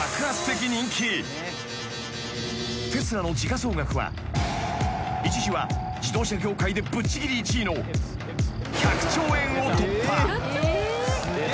［テスラの時価総額は一時は自動車業界でぶっちぎり１位の１００兆円を突破］